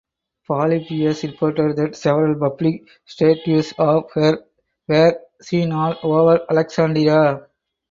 Polybius reported that several public statues of her were seen all over Alexandria.